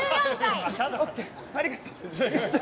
ＯＫ、ありがとう。